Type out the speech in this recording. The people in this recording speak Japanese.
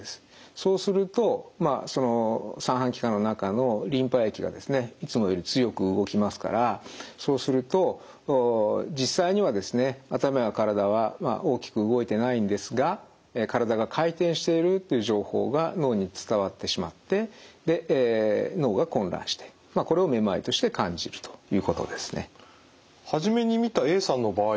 そうするとその三半規管の中のリンパ液がですねいつもより強く動きますからそうすると実際にはですね頭や体は大きく動いてないんですが体が回転しているっていう情報が脳に伝わってしまってで脳が混乱してまあこれをめまいとして感じるということですね。